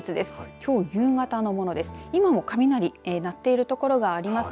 きょう、夕方のものです。